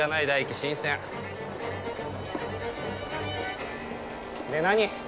新鮮で何？